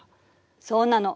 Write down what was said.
そうなの。